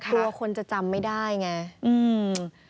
แต่กลัวคนจะจำไม่ได้ไง